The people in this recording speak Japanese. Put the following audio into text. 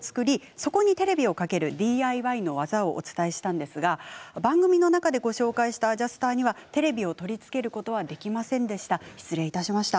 そこにテレビを掛けるＤＩＹの技をお伝えしましたが番組の中でご紹介したアジャスターにはテレビを取り付けることはできませんでした、失礼いたしました。